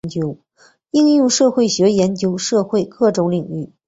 应用社会学研究社会各种领域。